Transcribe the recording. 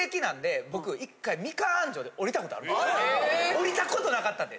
降りたことなかったんで。